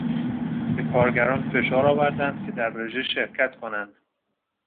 به کارگران فشار آوردند که در رژه شرکت کنند.